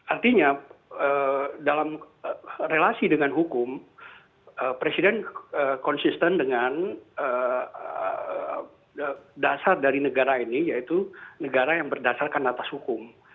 artinya dalam relasi dengan hukum presiden konsisten dengan dasar dari negara ini yaitu negara yang berdasarkan atas hukum